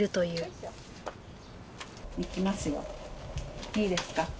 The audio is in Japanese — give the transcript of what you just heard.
いいですか？